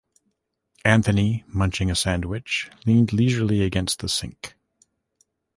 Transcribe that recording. Anthony, munching a sandwich, leaned leisurely against the sink.